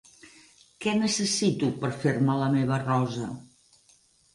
Què necessito per fer-me la meva rosa?